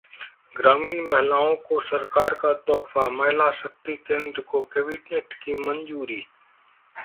ग्रामीण महिलाओं को सरकार का तोहफा, महिला शक्ति केंद्र को कैबिनेट की मंजूरी